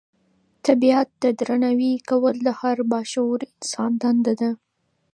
طبیعت ته درناوی کول د هر با شعوره انسان دنده ده.